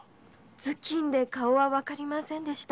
頭巾で顔はわかりませんでした。